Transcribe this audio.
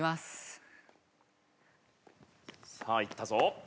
さあいったぞ。